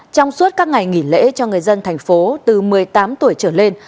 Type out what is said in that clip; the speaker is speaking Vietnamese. trong suốt các ngày nghỉ lễ cho người dân thành phố từ một mươi tám tuổi trở lên